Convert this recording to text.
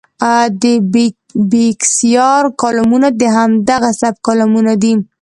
د بېکسیار کالمونه د همدغه سبک کالمونه دي.